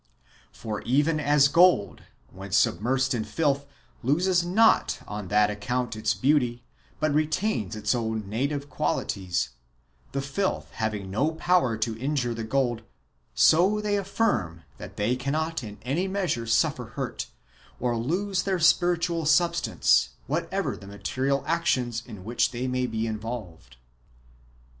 For even as gold, when submersed in filth, loses not on that account its beauty, bat retains its own native qualities, the filth having no power to injure the gold, so they affirm that they cannot in any measure suffer hurt, or lose their spiritual substance, whatever the material actions in which they may be involved.